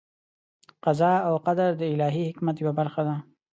قضا او قدر د الهي حکمت یوه برخه ده.